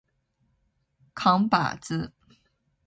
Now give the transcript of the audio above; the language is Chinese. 扛把子